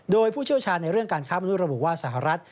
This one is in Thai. โดยผู้เชี่ยวชาญในเรื่องการค้ามนุษย์ระบุว่าสหรัฐ